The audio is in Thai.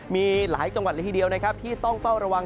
มีหลายจังหวัดละทีเดียวนะครับที่ต้องเฝ้าระวัง